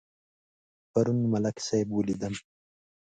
پرون ملک صاحب ولیدم.